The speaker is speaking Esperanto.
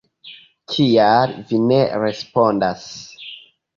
Kial vi ne respondas?